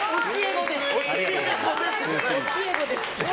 教え子です。